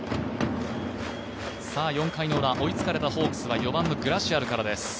４回のウラ、追いつかれたホークスは４番のグラシアルからです。